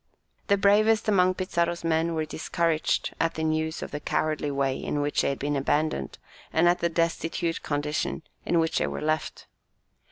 The bravest among Pizarro's men were discouraged at the news of the cowardly way in which they had been abandoned, and at the destitute condition in which they were left.